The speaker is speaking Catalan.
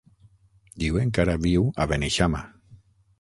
Diuen que ara viu a Beneixama.